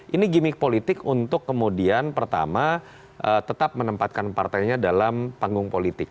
ini gimmick politik untuk kemudian pertama tetap menempatkan partainya dalam panggung politik